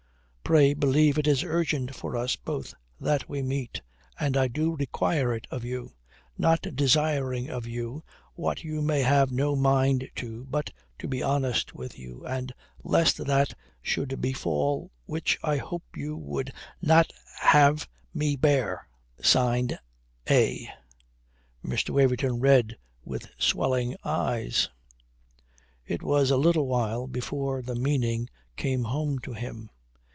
Pray, believe it is urgent for us both that we meet, and I do require it of you, not desiring of you what you may have no mind to, but to be honest with you, and lest that should befall which I hope you would not have me bear. "A." Mr. Waverton read with swelling eyes. It was a little while before the meaning came home to him.